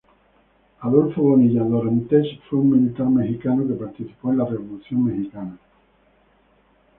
Adolfo Bonilla Dorantes fue un militar mexicano que participó en la Revolución mexicana.